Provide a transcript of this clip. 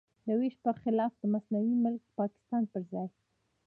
د وېش پر خلاف د مصنوعي ملک پاکستان پر ځای.